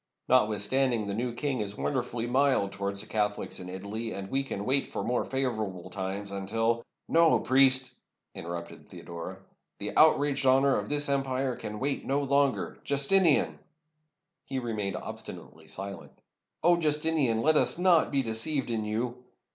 Notwithstanding, the new king is wonder fully mild towards the Catholics in Italy; and we can wait for more favorable times, until —" "No, priest!" interrupted Theodora; "the outraged honor of this empire can wait no longer! 0 Justinian!" — he still remained obstinately silent — *'0 Justinian, let us not be deceived in you